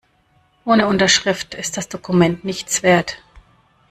Ohne Unterschrift ist das Dokument nichts wert.